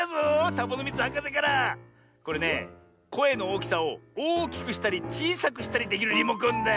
これねこえのおおきさをおおきくしたりちいさくしたりできるリモコンだ。